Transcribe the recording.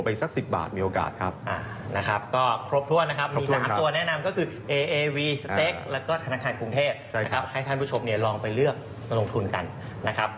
มากอีกภายพันธ์พรุงเทศให้ท่านผู้ชมลองไปเลือกรวงทุนกันนะครับ